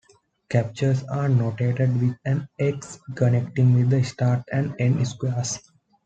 Captures are notated with an "x" connecting the start and end squares.